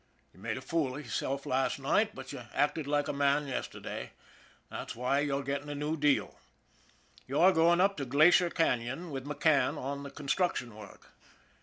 You made a fool of yourself last night, but you acted like a man yesterday that's why you're getting a new deal. You're going up to Glacier Canon with McCann on the construction work.